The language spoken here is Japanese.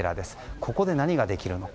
ここで何ができるのか。